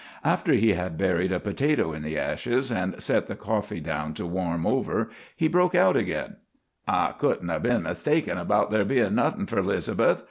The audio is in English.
After he had buried a potato in the ashes, and set the coffee down to warm over, he broke out again: "I couldn't 'a' been mistaken about there bein' nothin' for 'Liz'beth.